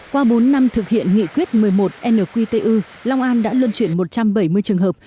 qua bốn năm thực hiện nghị quyết một mươi một nqtu long an đã luân chuyển một trăm bảy mươi trường hợp